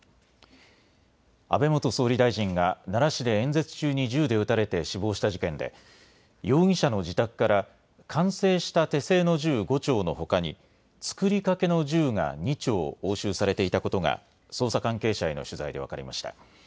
安倍元総理大臣が奈良市で演説中に銃で撃たれて死亡した事件で容疑者の自宅から完成した手製の銃５丁のほかに作りかけの銃が２丁押収されていたことが捜査関係者への取材で分かりました。